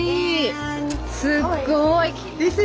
すっごい！